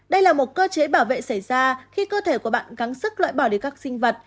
đây là một cơ chế bảo vệ xảy ra khi cơ thể của bạn gắn sức loại bỏ để các sinh vật